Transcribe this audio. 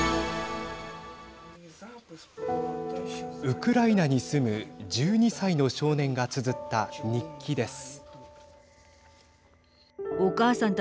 ウクライナに住む１２歳の少年がつづった日記です。